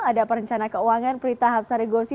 ada perencana keuangan prita hapsari gosi